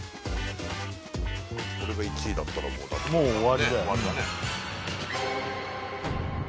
これが１位だったらもうもう終わりだよ